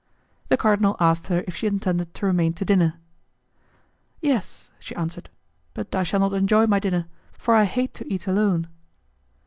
The cardinal asked her if she intended to remain to dinner. "Yes," she answered; "but I shall not enjoy my dinner, for I hate to eat alone."